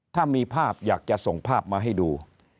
ถ้ามีภาพอยากจะส่งภาพมาให้ดู